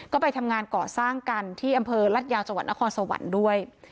ก็ไปทำงานก่อสร้างกันที่อำเภอรัฐยาวจังหวัดนครสวรรค์ด้วย